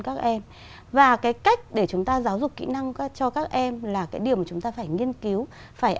các em và cái cách để chúng ta giáo dục kỹ năng cho các em là cái điểm chúng ta phải nghiên cứu phải